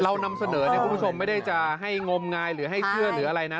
เรานำเสนอเนี่ยคุณผู้ชมไม่ได้จะให้งมงายหรือให้เชื่อหรืออะไรนะ